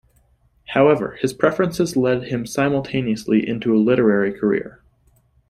However, his preferences led him simultaneously into a literary career.